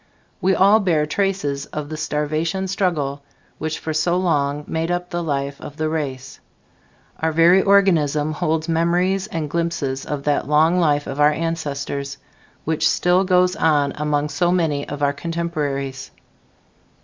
We all bear traces of the starvation struggle which for so long made up the life of the race. Our very organism holds memories and glimpses of that long life of our ancestors, which still goes on among so many of our contemporaries.